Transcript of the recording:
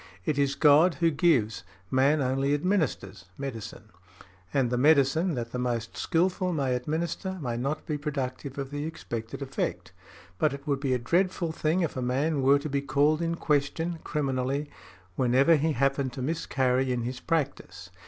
It is God who gives, man only administers, medicine; and the medicine |83| that the most skilful may administer may not be productive of the expected effect; but it would be a dreadful thing if a man were to be called in question, criminally, whenever he happened to miscarry in his practice.